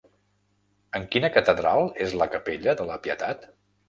En quina Catedral és la capella de la Pietat?